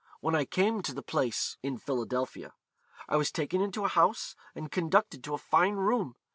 When I came to the place,' (in Philadelphia,) 'I was taken into a house, and conducted to a fine room.